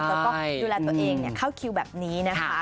แล้วก็ดูแลตัวเองเข้าคิวแบบนี้นะคะ